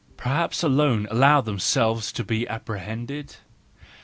per* haps alone allow themselves to be apprehended?